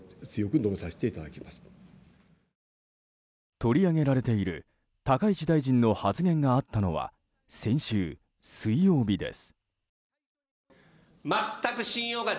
取り上げられている高市大臣の発言があったのは先週水曜日です。